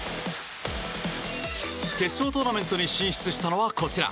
決勝トーナメントに進出したのはこちら。